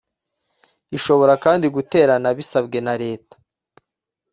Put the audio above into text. Ishobora kandi guterana bisabwe na leta